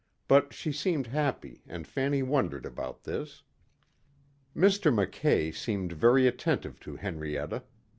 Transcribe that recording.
But she seemed happy and Fanny wondered about this. Mr. Mackay seemed very attentive to Henrietta.